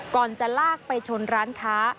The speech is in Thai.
ก่อนจะลากไปชนร้านค้า